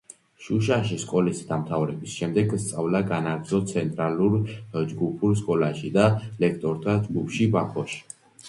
შუშაში სკოლის დამთავრების შემდეგ სწავლა განაგრძო ცენტრალურ ჯგუფურ სკოლაში და ლექტორთა ჯგუფში ბაქოში.